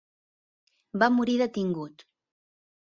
Va morir detingut.